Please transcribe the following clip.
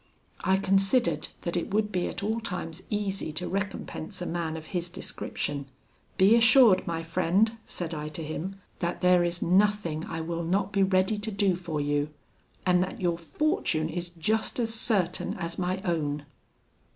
I considered that it would be at all times easy to recompense a man of his description. 'Be assured, my friend,' said I to him, 'that there is nothing I will not be ready to do for you, and that your fortune is just as certain as my own.'